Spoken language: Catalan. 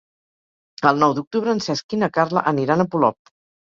El nou d'octubre en Cesc i na Carla aniran a Polop.